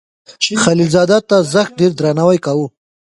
خلیل زاده ته زښت ډیر درناوی کاو.